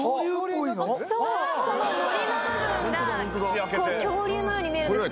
この森の部分が恐竜のように見える。